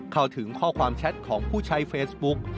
เข้าถึงข้อความแชทของผู้ใช้เฟซบุ๊ก